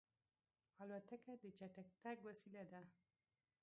الوتکه د چټک تګ وسیله ده.